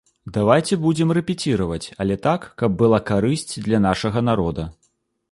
Давайце будзем рэпеціраваць, але так, каб была карысць для нашага народа.